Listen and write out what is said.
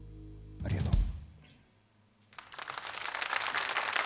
ありがとう。